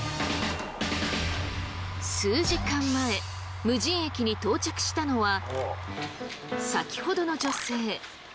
数時間前無人駅に到着したのは先ほどの女性。